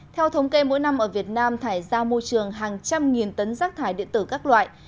theo thống kê mỗi năm ở việt nam thải ra môi trường hàng trăm nghìn tấn rác thải điện tử các loại